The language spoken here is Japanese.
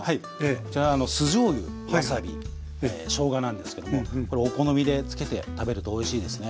こちらは酢じょうゆわさびしょうがなんですけどもこれお好みでつけて食べるとおいしいですね。